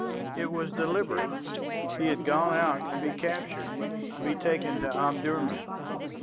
It was deliberate; he had gone out to be captured, to be taken to Omdurman.